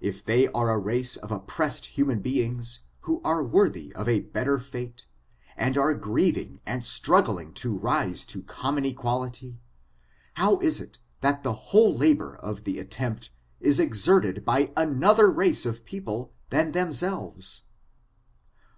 269 If they are a race of oppressed human beings, who are worthy of a better fate, and are grieving and struggling to rise to common equality, how is it that the whole labor of the attempt is exerted by another race of people than themselves